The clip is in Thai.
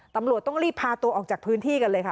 ตำรวจต้องรีบพาตัวออกจากพื้นที่กันเลยค่ะ